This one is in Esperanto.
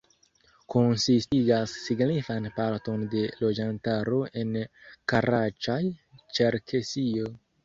Konsistigas signifan parton de loĝantaro en Karaĉaj-Ĉerkesio.